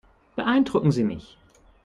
Beeindrucken Sie mich.